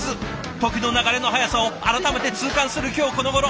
時の流れの速さを改めて痛感する今日このごろ。